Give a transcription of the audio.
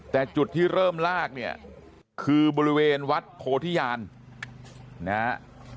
แต่จุดที่เริ่มลากเนี่ยคือบริเวณวัดโพธิญาณนะฮะ